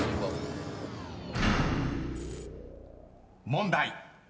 ［問題］